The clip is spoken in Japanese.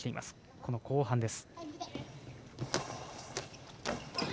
この後半です。